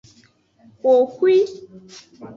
Xoxwi.